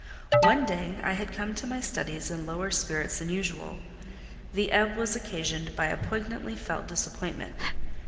One day I had come to my studies in lower spirits than usual; the ebb was occasioned by a poignantly felt disappointment.